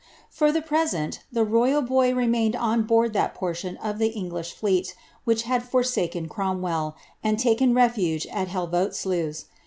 For the present, the royal boy remained on board that portion of tlie English fleet which had forsaken Cromwell, and taken refuge at Uclvoet sluys.